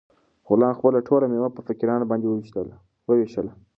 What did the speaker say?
غلام خپله ټوله مېوه په فقیرانو باندې وویشله.